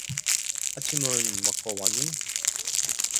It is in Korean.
아침은 먹고 왔니?